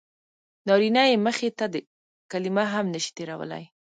نارینه یې مخې ته کلمه هم نه شي تېرولی.